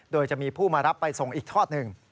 โดยจะมีผู้มารับไปส่งอีกทอดหนึ่ง